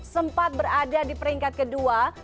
sempat berada di peringkat kedua